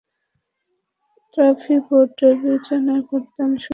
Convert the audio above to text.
Trustee board নির্বাচনের ভোটদান শুরু হয়েছে যা ছাব্বিশ আগস্ট পর্যন্ত চলবে।